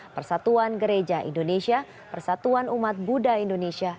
persatuan gereja indonesia persatuan umat buddha indonesia